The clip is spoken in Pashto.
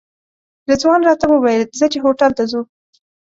رضوان راته وویل ځه چې هوټل ته ځو.